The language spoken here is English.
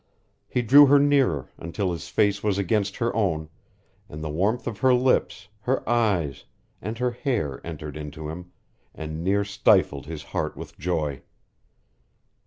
He drew her nearer, until his face was against her own, and the warmth of her lips, her eyes, and her hair entered into him, and near stifled his heart with joy.